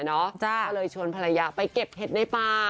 ก็เลยชวนภรรยาไปเก็บเห็ดในป่า